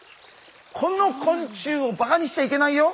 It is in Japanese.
この昆虫をバカにしちゃいけないよ！